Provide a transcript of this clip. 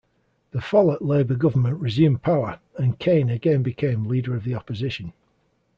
The Follett Labor government resumed power, and Kaine again became Leader of the Opposition.